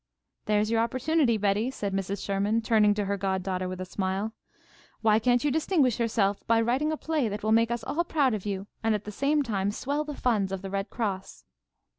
"There's your opportunity, Betty," said Mrs. Sherman, turning to her goddaughter with a smile. "Why can't you distinguish yourself by writing a play that will make us all proud of you, and at the same time swell the funds of the Red Cross?"